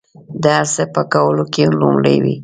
د هر څه په کولو کې لومړي وي.